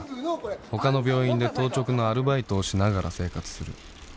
他の病院の当直のアルバイトをしながら生活する